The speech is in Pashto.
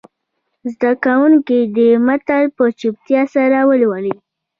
زده کوونکي دې متن په چوپتیا سره ولولي.